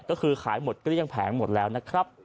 ก็คือขายหมดเกลี้ยงแผงหมดแล้วนะครับ